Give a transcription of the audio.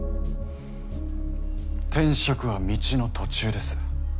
転職は道の途中です。